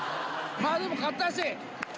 まあ、でも勝ったし。